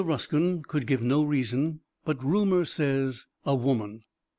Ruskin could give no reason, but rumor says, "A woman."